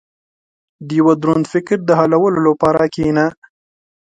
• د یو دروند فکر د حلولو لپاره کښېنه.